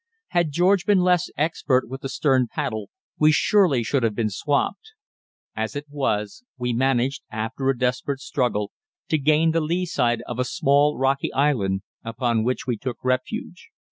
Had George been less expert with the stern paddle, we surely should have been swamped. As it was we managed, after a desperate struggle, to gain the lee side of a small, rocky island, upon which we took refuge.